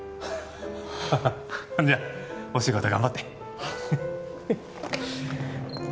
ハハッじゃお仕事頑張って